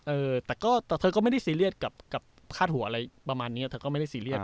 เออแต่ก็แต่เธอก็ไม่ได้ซีเรียสกับคาดหัวอะไรประมาณนี้เธอก็ไม่ได้ซีเรียส